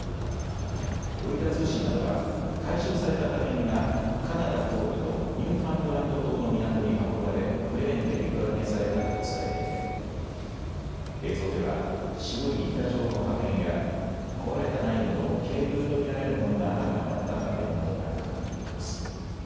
ロイター通信などは回収された破片が、カナダ東部のニューファンドランド島の港に運ばれクレーンで陸揚げされたと伝えていて映像では、白い板状の破片や壊れた内部のケーブルと見られるものがあらわになった破片などが確認できます。